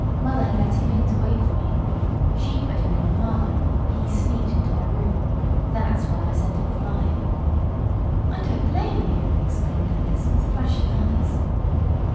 Mother had let him in to wait for me. She put him in the parlor, but he sneaked into my room. That's why I sent him flying." "I don't blame you!" exclaimed Alice, with flashing eyes.